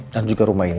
dan juga rumah ini